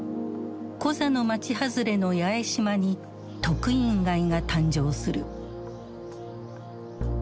コザの町外れの八重島に「特飲街」が誕生する。